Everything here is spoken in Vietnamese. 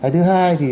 thứ hai thì